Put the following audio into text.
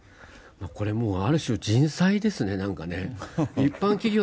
これもう、ある種、人災ですね、これ。